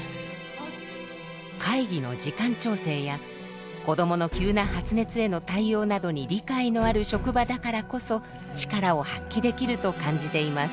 会議の時間調整や子どもの急な発熱への対応などに理解のある職場だからこそ力を発揮できると感じています。